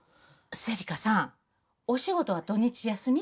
芹香さんお仕事は土日休み？